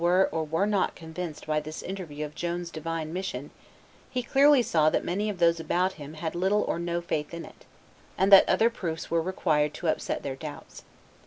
were or were not convinced by this interview of Joan's divine mission, he clearly saw that many of those about him had little or no faith in it, and that other proofs were required to upset their doubts.